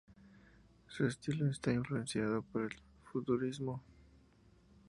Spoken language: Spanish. Su estilo está influenciado por el futurismo.